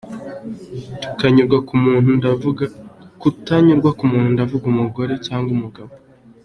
kutanyurwa kumuntu ndavuga umugore cg umugabo.